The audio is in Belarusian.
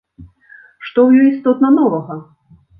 Што ў ёй істотна новага?